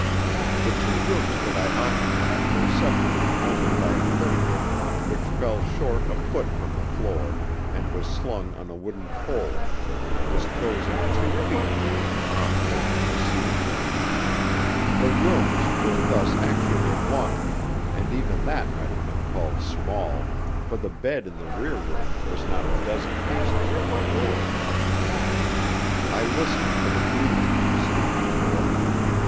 The two rooms that I occupied were separated only by a curtain, which fell short a foot from the floor and was slung on a wooden pole, disclosing two feet between the top of it and the ceiling. The rooms were thus actually one, and even that might have been called small, for the bed in the rear room was not a dozen paces from the door. I listened for the breathing of the sleeping girl.